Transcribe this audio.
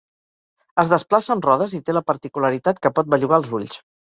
Es desplaça amb rodes i té la particularitat que pot bellugar els ulls.